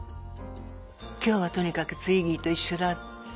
今日はとにかくツイッギーと一緒だ。